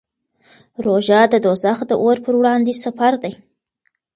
روژه د دوزخ د اور پر وړاندې سپر دی.